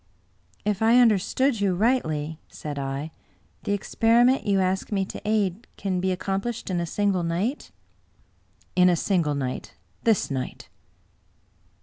" If I understood you rightly," said I, " the experiment you ask me to aid can be accomplished in a single night? '*" In a single night — ^this night."